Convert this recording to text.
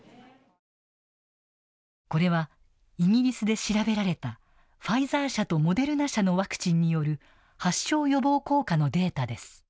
これはイギリスで調べられたファイザー社とモデルナ社のワクチンによる発症予防効果のデータです。